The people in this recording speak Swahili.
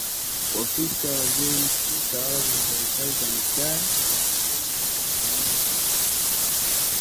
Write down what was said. Ofisi ya Waziri Mkuu Tawala za Mikoa na Serikali za Mitaa Tamisemi Mheshimiwa